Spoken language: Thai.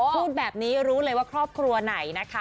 พูดแบบนี้รู้เลยว่าครอบครัวไหนนะคะ